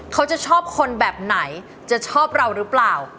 เขาจะชอบคนแบบไหนจะชอบเราหรือเปล่า